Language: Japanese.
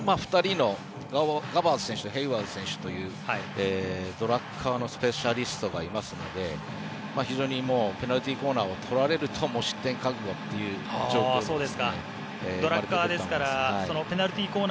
オーストラリアは本当に２人のガバーズ選手とヘイワード選手というドラッカーのスペシャリストがいますのでペナルティーコーナーを取られると失点覚悟となります。